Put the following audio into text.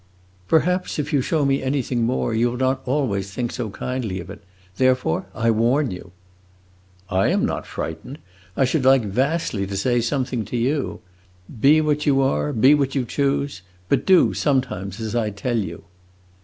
"Perhaps, if you show me anything more, you will not always think so kindly of it. Therefore I warn you." "I am not frightened. I should like vastly to say something to you: Be what you are, be what you choose; but do, sometimes, as I tell you."